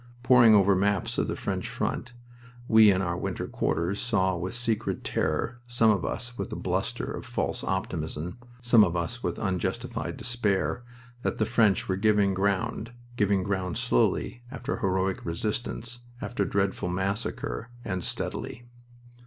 Poring over maps of the French front, we in our winter quarters saw with secret terror, some of us with a bluster of false optimism, some of us with unjustified despair, that the French were giving ground, giving ground slowly, after heroic resistance, after dreadful massacre, and steadily.